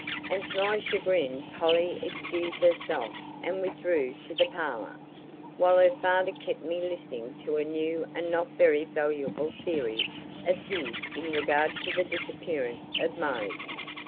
And to my chagrin Polly excused herself and withdrew to the parlor, while her father kept me listening to a new and not very valuable theory of his in regard to the disappearance of Mose.